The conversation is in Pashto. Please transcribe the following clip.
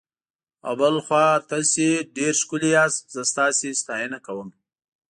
او بل خوا تاسي ډېر ښکلي یاست، زه ستاسي ستاینه کوم.